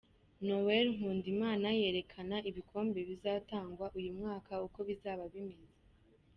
Noel Nkundimana yerekana ibikombe bizatangwa uyu mwaka uko bizaba bimeze.